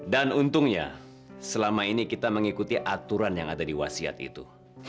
dan untungnya selama ini kita mengikuti aturan yang ada di wasiat itu